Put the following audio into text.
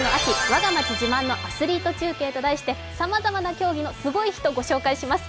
わが町自慢のアスリート中継」と題してさまざまな競技のすごい人をご紹介します。